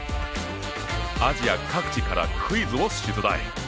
アジア各地からクイズを出題。